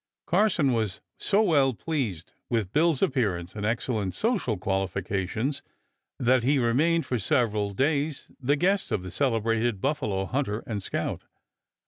Carson was so well pleased with Bill's appearance and excellent social qualifications that he remained for several days the guest of the celebrated buffalo killer and scout.